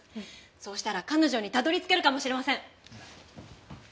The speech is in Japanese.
そうしたら彼女にたどり着けるかもしれません。